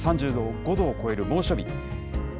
３５度を超える猛暑日。